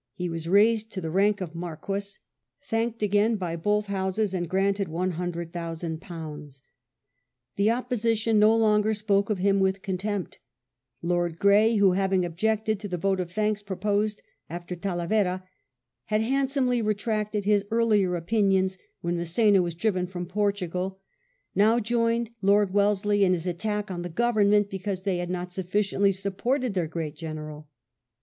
He was raised to the rank of Marquess, thanked again by both Houses, and granted £100,000. The Opposition no longer spoke of him with contempt Lord Grey, who, having objected to the vote of thanks proposed after Talavera, had handsomely retracted his earlier opinions when Mass^na was driven from Portugal, now joined Lord Wellesley in his attack on the Grovemment because they had not sufficiently supported their great General